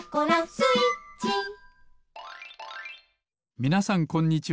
みなさんこんにちは。